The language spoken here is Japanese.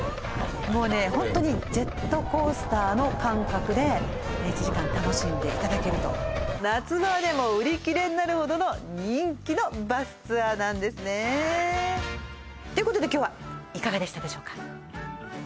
もうねホントにジェットコースターの感覚で１時間楽しんでいただけると夏場はね売り切れになるほどの人気のバスツアーなんですねってことで今日はいかがでしたでしょうか？